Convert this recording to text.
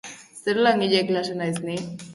Zer langile klase naiz ni?